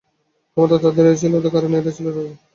ক্ষমতাও এঁদেরই অধিক ছিল, কারণ এঁরাই ছিলেন রাজা।